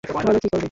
বলো কী করবে?